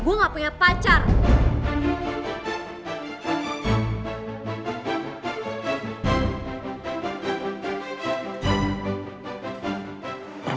gue gak punya pacar